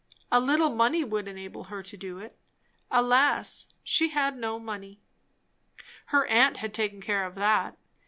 A little money would enable her to do it. Alas, she had no money. Her aunt had taken care of that.